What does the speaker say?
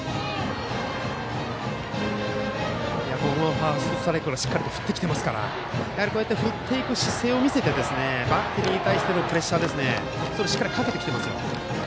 ファーストストライクもしっかり振ってきていますから振っていく姿勢を見せてバッテリーに対してプレッシャーしっかりかけてきています。